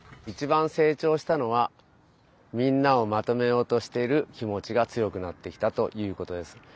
いちばんせいちょうしたのはみんなをまとめようとしている気持ちがつよくなってきたということです。